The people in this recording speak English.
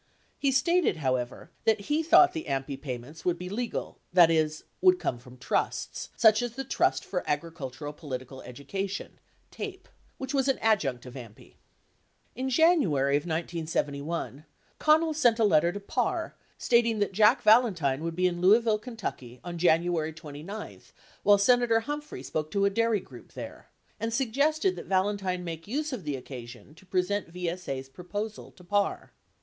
He stated, however, that he thought the AMPI payments would be legal, that is, would come from trusts, such as the Trust for Agricul tural Political Education (TAPE), which was an adjunct of AMPI. In January of 1971, Connell sent a letter to Parr stating that Jack Valentine would be in Louisville, Kentucky, on January 29 while Senator Humphrey spoke to a dairy group there, and suggested that Valentine make use of the occasion to present VSA's proposal to Parr.